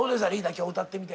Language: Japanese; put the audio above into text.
今日歌ってみて。